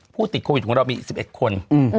ผู้ติดโควิดของเรามี๑๑คน